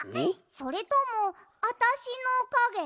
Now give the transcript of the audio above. それともあたしのかげ？